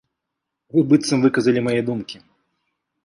Вы быццам выказалі мае думкі.